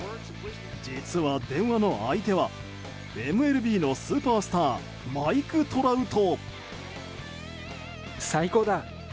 実は、電話の相手はＭＬＢのスーパースターマイク・トラウト。